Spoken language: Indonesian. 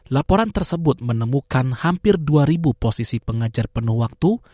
laporan tersebut menemukan hampir dua posisi pengajar penuh waktu